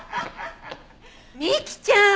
美貴ちゃん！